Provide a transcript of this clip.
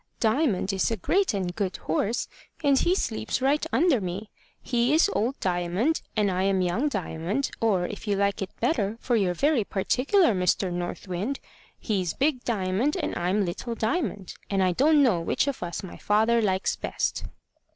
Diamond is a great and good horse; and he sleeps right under me. He is old Diamond, and I am young Diamond; or, if you like it better, for you're very particular, Mr. North Wind, he's big Diamond, and I'm little Diamond; and I don't know which of us my father likes best."